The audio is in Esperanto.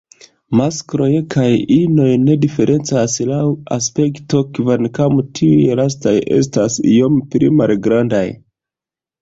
Maskloj kaj inoj ne diferencas laŭ aspekto, kvankam tiuj lastaj estas iome pli malgrandaj.